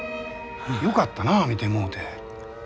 よかったな診てもうて。